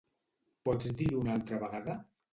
Pots dir-ho una altra vegada?